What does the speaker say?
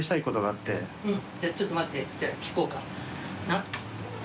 うんじゃあちょっと待ってじゃあ聞こうか。